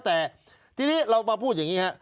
แต่ทีนี้เรามาพูดอย่างนี้ครับ